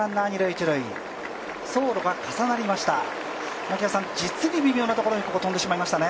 走路が重なりました。